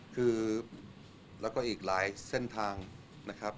คือแล้วก็อีกหลายเส้นทางนะครับ